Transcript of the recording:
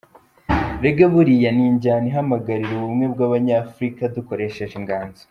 Reggae buriya ni injyana ihamagarira ubumwe bw’abanyafurika dukoresheje inganzo.